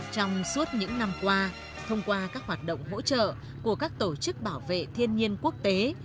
trong suốt những năm qua thông qua các hoạt động hỗ trợ của các tổ chức bảo vệ thiên nhiên quốc tế